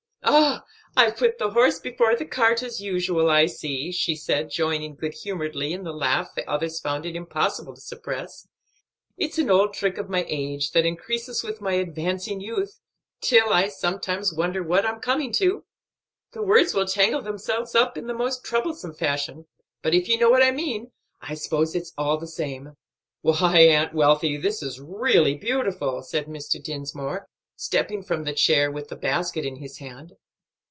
"Ah! I've put the horse before the cart as usual, I see;" she said, joining good humoredly in the laugh the others found it impossible to suppress. "It's an old trick of my age, that increases with my advancing youth, till I sometimes wonder what I'm coming to; the words will tangle themselves up in the most troublesome fashion; but if you know what I mean, I suppose it's all the same." "Why, Aunt Wealthy, this is really beautiful," said Mr. Dinsmore, stepping from the chair with the basket, in his hand.